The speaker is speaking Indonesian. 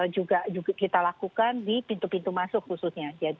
juga kita lakukan di pintu pintu masuk khususnya